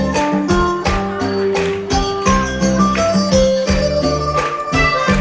ส้อมครับ